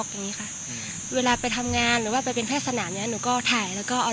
เดี๋ยวทำงานเพาะแพร่สน่ามัอยกะทิ